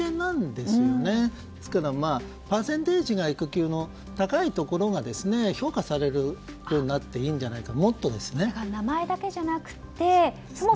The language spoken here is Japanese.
ですから、パーセンテージが育休の高いところがもっと評価されるようになっていいんじゃないか。